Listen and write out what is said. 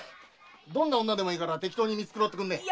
どんな女でもいいから適当に見繕ってくんな。